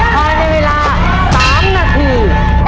ใช้ในเวลา๓นาที